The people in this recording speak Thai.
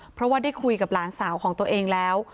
เพราะว่าได้คุยกับหลานสาวของตัวเองแล้ว